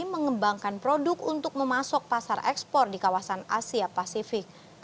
mengembangkan produk untuk memasok pasar ekspor di kawasan asia pasifik